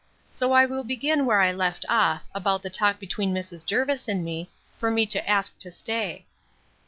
So I will begin where I left off, about the talk between Mrs. Jervis and me, for me to ask to stay.